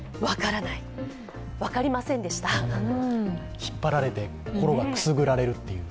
引っ張られて、心がくすぐられるという。